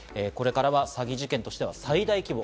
これからは詐欺事件としては最大規模